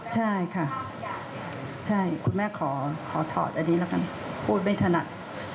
ใช่ค่ะใช่คุณแม่ขอถอดอันนี้แล้วกันพูดไม่ถนัด